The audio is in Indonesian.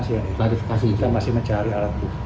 untuk mengendutkan amatnya